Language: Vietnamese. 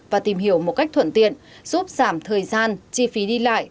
và tìm hiểu một cách thuận tiện giúp giảm thời gian chi phí đi lại